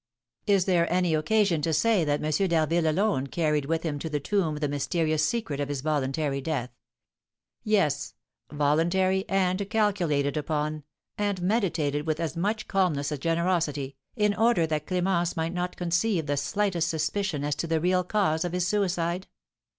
Is there any occasion to say that M. d'Harville alone carried with him to the tomb the mysterious secret of his voluntary death, yes, voluntary and calculated upon, and meditated with as much calmness as generosity, in order that Clémence might not conceive the slightest suspicion as to the real cause of his suicide?